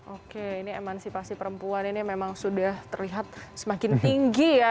oke ini emansipasi perempuan ini memang sudah terlihat semakin tinggi ya